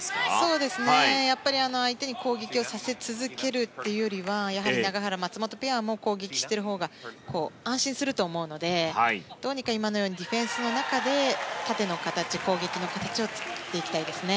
そうですね、やっぱり相手に攻撃をさせ続けるよりは永原、松本ペアも攻撃しているほうが安心すると思うのでどうにか、今のようにディフェンスの中で、縦の形攻撃の形を作っていきたいですね。